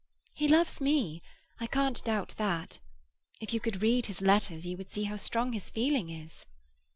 "He loves me; I can't doubt that. If you could read his letters, you would see how strong his feeling is."